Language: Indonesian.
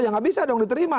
ya nggak bisa dong diterima